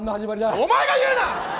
お前が言うな！